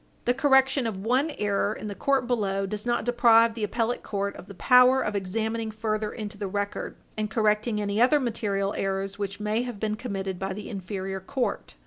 The correction of one error in the court below does not deprive the appellate court of the power of examining further into the record, and correcting any other material errors which may have been committed by the inferior court.